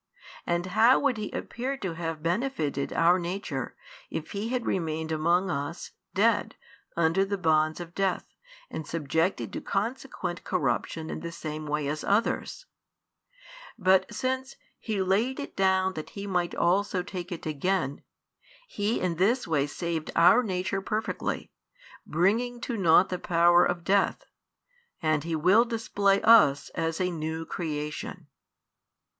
And how would He appear to have benefitted our nature, if He had remained amongst us, dead, under the bonds of death, and subjected to consequent corruption in the same way as others? But since He laid it down that He might also take it again, He in this way saved our nature perfectly, bringing to naught the power of death; and He will display us as a new creation.